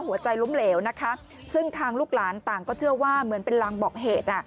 หัวใจล้มเหลวนะคะซึ่งทางลูกหลานต่างก็เชื่อว่าเหมือนเป็นรางบอกเหตุ